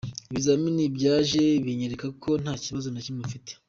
Ibizamini byaje binyereka ko nta kibazo na kimwe mfite.